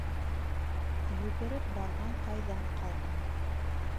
Йүгереп барған тайҙан ҡалған.